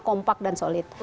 kompak dan solid